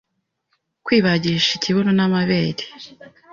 Kwibagisha ikibuno n’amabere